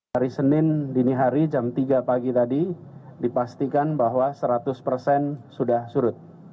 hari senin dini hari jam tiga pagi tadi dipastikan bahwa seratus persen sudah surut